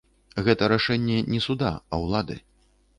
Гэта рашэнне не суда, а ўлады.